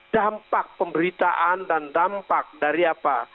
dampak pemberitaan dan dampak dari apa